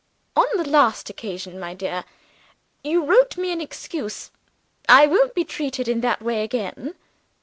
"On the last occasion, my dear, you wrote me an excuse; I won't be treated in that way again.